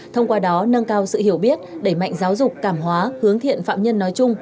thông qua đó nâng cao sự hiểu biết đẩy mạnh giáo dục cảm hóa hướng thiện phạm nhân nói chung